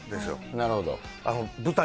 なるほど。